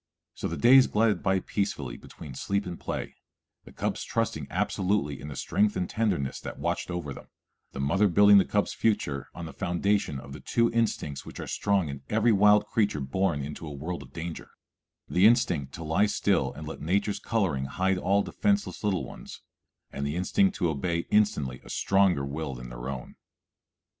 So the days glided by peacefully between sleep and play, the cubs trusting absolutely in the strength and tenderness that watched over them, the mother building the cubs' future on the foundation of the two instincts which are strong in every wild creature born into a world of danger, the instinct to lie still and let nature's coloring hide all defenseless little ones, and the instinct to obey instantly a stronger will than their own.